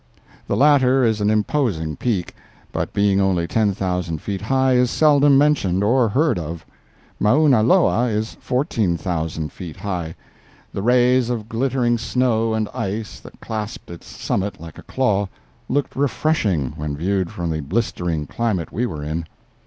The latter is an imposing peak, but being only ten thousand feet high is seldom mentioned or heard of. Mauna Loa is fourteen thousand feet high. The rays of glittering snow and ice, that clasped its summit like a claw, looked refreshing when viewed from the blistering climate we were in.